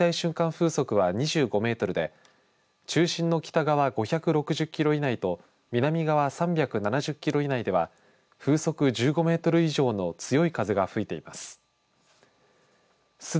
風速は２５メートルで中心の北側５６０キロ以内と南側３７０キロ以内では風速１５メートル以上の強い風が吹いています。